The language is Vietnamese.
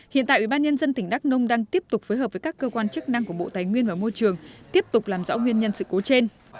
hiện tại ủy ban nhân dân tỉnh đắk nông đang tiếp tục phối hợp với các cơ quan chức năng của bộ tài nguyên và môi trường tiếp tục làm rõ nguyên nhân sự cố trên